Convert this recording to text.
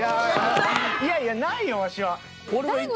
いやいやないよワシは。